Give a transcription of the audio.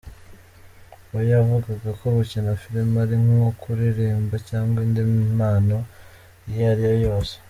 We yavugaga ko gukina film ari nko kuririmba cyangwa indi mpano iyo ariyo yose.